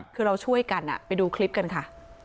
คือเราช่วยกันไปดูคลิปกันค่ะ